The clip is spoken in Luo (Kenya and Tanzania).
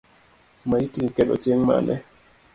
Maiti ikelo chieng’ mane?